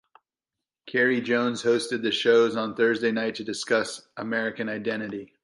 Kerri Miller hosts the show on Thursday nights to discuss American identity.